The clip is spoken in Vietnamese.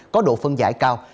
có độ phân giải cao